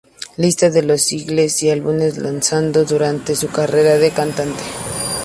Lista de los singles y álbumes lanzado durante su carrera de cantante.